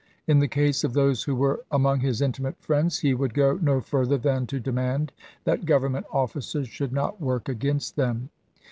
In the case of those who were among his intimate friends lie would go no further than to demand that Government officers should not work against them.